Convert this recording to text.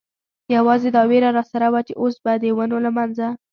یوازې دا وېره را سره وه، چې اوس به د ونو له منځه.